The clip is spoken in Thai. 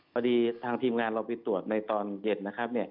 พอดีทางทีมงานเราไปตรวจในตอนเย็นนะครับ